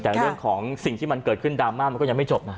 แต่เรื่องของสิ่งที่มันเกิดขึ้นดราม่ามันก็ยังไม่จบนะ